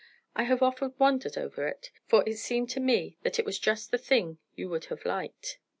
I have often wondered over it, for it seemed to me that it was just the thing you would have liked.